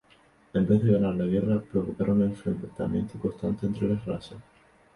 En vez de ganar la guerra, provocaron el enfrentamiento constante entre las razas.